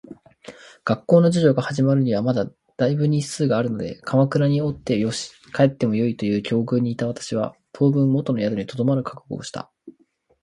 学校の授業が始まるにはまだ大分日数があるので鎌倉におってもよし、帰ってもよいという境遇にいた私は、当分元の宿に留まる覚悟をした。